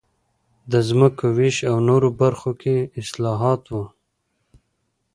د ځمکو وېش او نورو برخو کې اصلاحات و